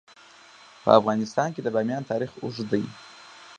په افغانستان کې د بامیان تاریخ اوږد دی.